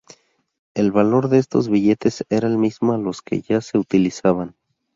El valor de estos billetes era el mismo a los que ya se utilizaban.